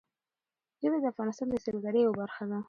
ژبې د افغانستان د سیلګرۍ یوه برخه ده.